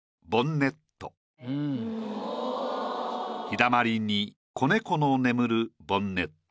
「日だまりに仔猫の眠るボンネット」。